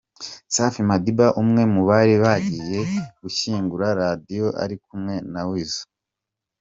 Safi Madiba umwe mu bari bagiye gushyingura Radio ari kumwe na Weasel.